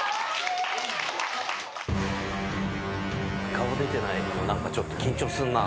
顔出てないのも何かちょっと緊張するな。